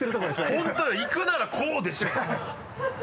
本当よいくならこうでしょ。